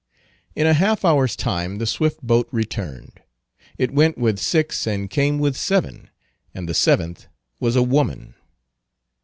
In a half hour's time the swift boat returned. It went with six and came with seven; and the seventh was a woman.